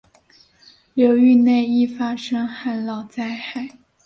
流域内易发生旱涝灾害。